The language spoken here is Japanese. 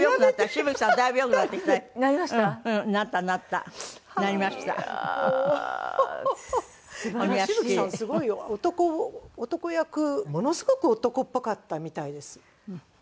紫吹さんはすごい男役ものすごく男っぽかったみたいです。